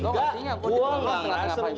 enggak gua gak ngerasa begini